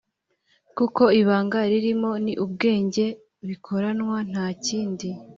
kuko ibanga ririmo ni ubwenge bikoranwa nta kindi